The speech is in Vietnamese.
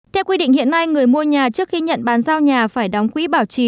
theo quy định hiện nay người mua nhà trước khi nhận bàn giao nhà phải đóng quỹ bảo trì